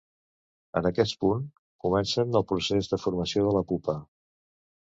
En aquest punt, comencen el procés de formació de la pupa.